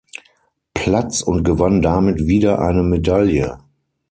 Platz und gewann damit wieder eine Medaille.